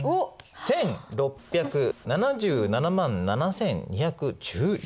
１，６７７万７，２１６色！